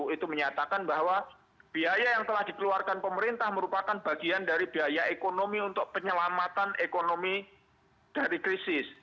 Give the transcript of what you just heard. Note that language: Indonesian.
itu menyatakan bahwa biaya yang telah dikeluarkan pemerintah merupakan bagian dari biaya ekonomi untuk penyelamatan ekonomi dari krisis